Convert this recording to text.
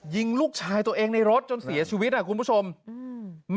ยิงลูกชายตัวเองในรถจนเสียชีวิตอ่ะคุณผู้ชมอืม